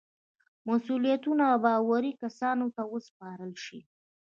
مسئولیتونه باوري کسانو ته وسپارل شي.